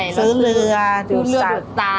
ซื้อเรือดูดทราย